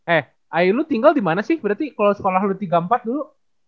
eh ayu lu tinggal dimana sih berarti kalo sekolah lu tiga puluh empat dulu